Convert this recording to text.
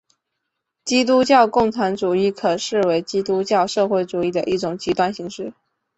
基督教共产主义可视为基督教社会主义的一种极端形式。